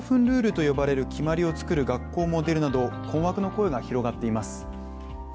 ルールと呼ばれる決まりを作る学校も出るなど困惑の声が広がっています。